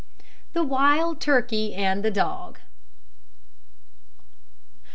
THE WILD TURKEY AND THE DOG.